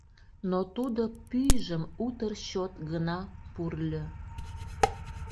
Но тудо пӱйжым утыр чот гына пурльо.